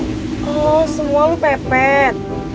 oh semua lu pepet